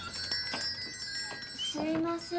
すいません。